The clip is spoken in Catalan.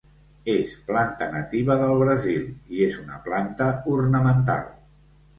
És planta nativa del Brasil i és una planta ornamental.